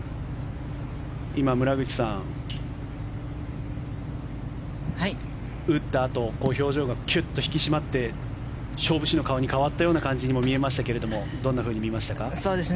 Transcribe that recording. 今、村口さん、打ったあと表情がキュッと引き締まって勝負師の顔に変わったような感じにも見えましたけれどどんなふうに見ましたか。